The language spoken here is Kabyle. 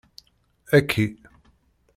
Aki!